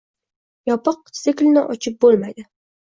Yopiq tsiklni ochib bo'lmaydi